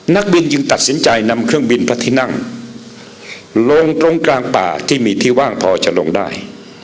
นักบินจึงตัดสินใจนำเครื่องบินพระที่นั่งลงตรงกลางป่าที่มีที่ว่างพอจะลงได้